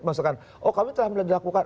maksudkan oh kami telah melakukan